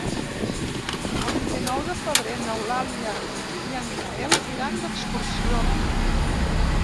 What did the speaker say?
El vint-i-nou de febrer n'Eulàlia i en Gaël iran d'excursió.